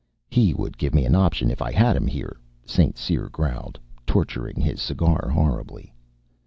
"He would give me an option if I had him here," St. Cyr growled, torturing his cigar horribly.